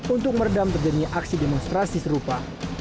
untuk meredam terjadinya aksi demonstrasi serupa